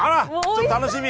ちょっと楽しみ！